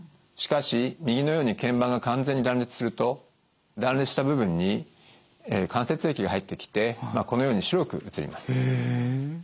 しかし右のように腱板が完全に断裂すると断裂した部分に関節液が入ってきてこのように白く写ります。